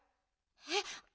えっ。